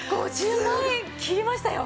５０万円切りましたよ。